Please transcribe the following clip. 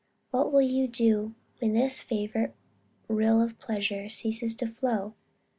What will you do when this favorite rill of pleasure ceases to flow?